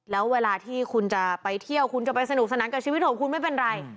แล้วเวลาที่คุณจะไปเที่ยวคุณจะไปสนุกสนานกับชีวิตของคุณไม่เป็นไร